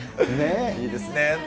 いいですね。